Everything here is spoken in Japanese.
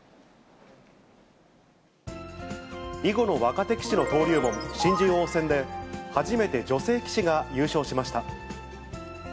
囲碁の若手棋士の登竜門、新人王戦で、初めて女性棋士が優勝しました。